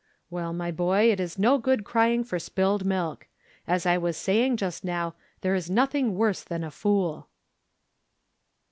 "Well, my boy, it is no good crying for spilt milk. As I was saying just now, there is nothing worse than a fool."